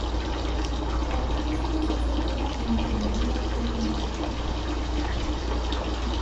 Obtuvo su licenciatura en Ingeniería y Economía.